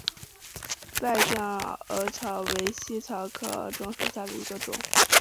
败酱耳草为茜草科耳草属下的一个种。